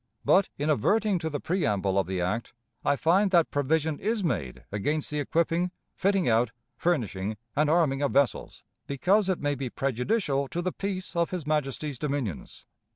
But, in adverting to the preamble of the act, I find that provision is made against the equipping, fitting out, furnishing, and arming of vessels, because it may be prejudicial to the peace of his Majesty's dominions.